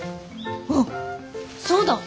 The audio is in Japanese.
あっそうだ。